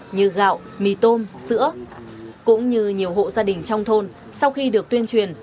như gạo mì tôm sữa cũng như nhiều hộ gia đình trong thôn sau khi được tuyên truyền